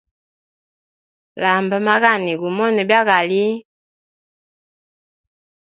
Lamba magani gumone byagali.